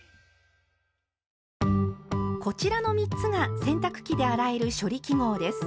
こちらの３つが洗濯機で洗える「処理記号」です。